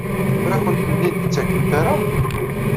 Ur akent-ten-id-ttakent ara?